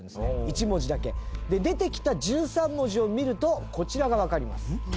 出てきた１３文字を見るとこちらがわかります。